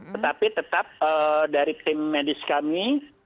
tetapi tetap dari tim medis kami